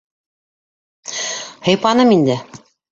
— Һыйпаным инде.